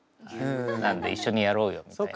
なんで一緒にやろうよみたいな。